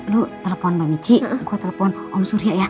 lu telepon mbak mici gue telepon om surya ya